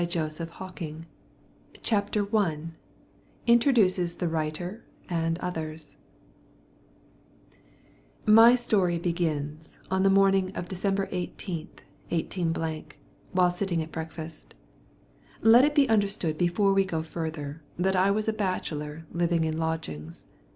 THE SECOND CHRISTMAS EVE CHAPTER I INTRODUCES THE WRITER AND OTHERS My story begins on the morning of December 18, 18 , while sitting at breakfast. Let it be understood before we go further that I was a bachelor living in lodgings.